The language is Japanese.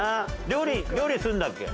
料理するんだっけ？